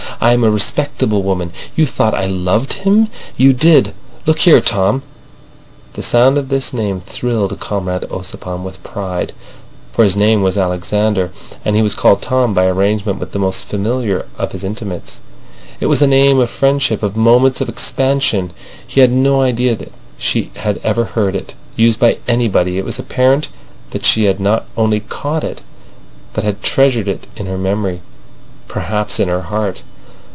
I am a respectable woman. You thought I loved him! You did! Look here, Tom—" The sound of this name thrilled Comrade Ossipon with pride. For his name was Alexander, and he was called Tom by arrangement with the most familiar of his intimates. It was a name of friendship—of moments of expansion. He had no idea that she had ever heard it used by anybody. It was apparent that she had not only caught it, but had treasured it in her memory—perhaps in her heart.